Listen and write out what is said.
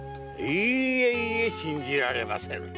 いいえ信じられませぬ。